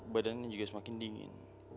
badannya juga semakin dingin